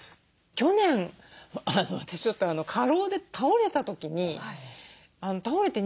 去年私ちょっと過労で倒れた時に倒れて入院したらですね